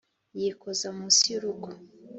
, yikoza munsi y’urugo